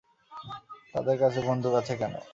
তাদের কাছে বন্দুক আছে কেন?